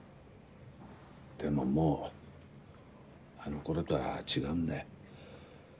でももうあの頃とは違うんだよ。